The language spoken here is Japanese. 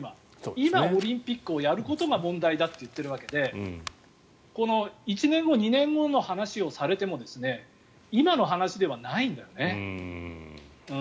今、オリンピックをやることが問題だって言ってるわけでこの１年後、２年後の話をされても今の話ではないんだよね。